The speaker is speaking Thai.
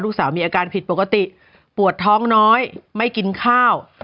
ลูกสาวมีอาการผิดปกติปวดท้องน้อยไม่กินข้าว